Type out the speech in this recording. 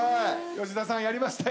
吉田さんやりましたよ。